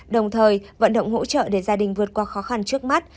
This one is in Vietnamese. đồng thời vận động hỗ trợ để gia đình vượt qua khó khăn trước mắt